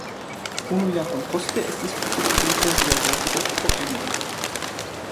Unu jaron poste estis publikigita lia verko "Poemoj.